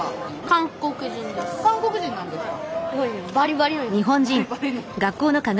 韓国人なんですか。